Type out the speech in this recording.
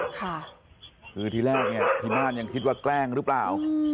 คือที่แรกงี่ขี้มานยังคิดว่าแกล้งรึเปล่า